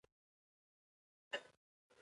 دا کسان په حقیقت کې ټول انسانان دي.